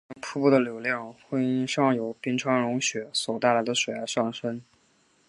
夏天瀑布的流量会因上游冰川融雪所带来的水而上升。